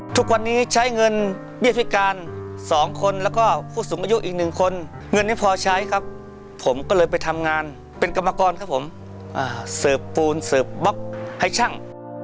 ทุกวันนี้ใช้เงินเบี้ยพิการ๒คนแล้วก็ผู้สูงอายุอีกหนึ่งคนเงินนี้พอใช้ครับผมก็เลยไปทำงานเป็นกรรมกรครับผมเสิร์ฟปูนเสิร์ฟบล็อกให้ช่าง